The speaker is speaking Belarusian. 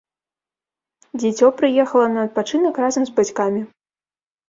Дзіцё прыехала на адпачынак разам з бацькамі.